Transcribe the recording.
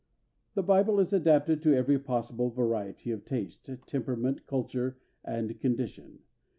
The Bible is adapted to every possible variety of taste, temperament, culture, and condition.